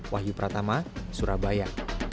wahyu pratama surabaya